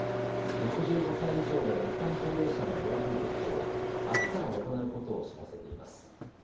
６５歳以上の一般高齢者の予約受付をあすから行うことを知らせています。